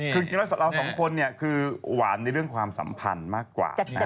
คือจริงแล้วเราสองคนเนี่ยคือหวานในเรื่องความสัมพันธ์มากกว่า